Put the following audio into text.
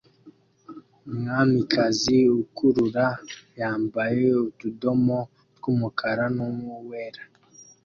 Umwamikazi ukurura yambaye utudomo twumukara nuwera